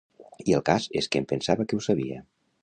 I el cas és que em pensava que ho sabia.